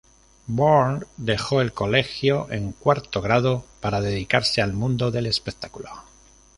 Burns dejó el colegio en cuarto grado para dedicarse al mundo del espectáculo.